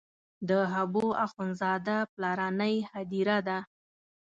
د حبو اخند زاده پلرنۍ هدیره ده.